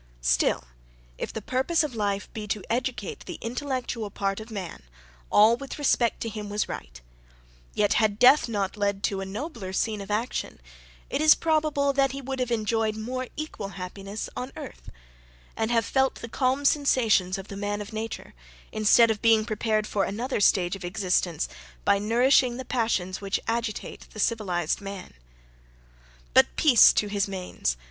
Still, if the purpose of life be to educate the intellectual part of man, all with respect to him was right; yet, had not death led to a nobler scene of action, it is probable that he would have enjoyed more equal happiness on earth, and have felt the calm sensations of the man of nature, instead of being prepared for another stage of existence by nourishing the passions which agitate the civilized man. But peace to his manes!